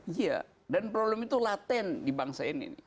iya dan problem itu laten di bangsa ini